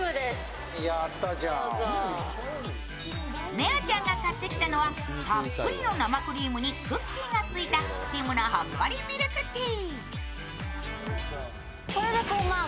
ねおちゃんが買ってきたのはたっぷりの生クリームにクッキーがついたティムのほっこりミルクティー。